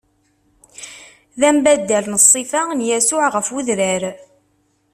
D ambaddal n ṣṣifa n Yasuɛ ɣef udrar.